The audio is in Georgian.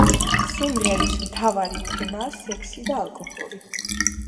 სიმღერის მთავარი თემაა სექსი და ალკოჰოლი.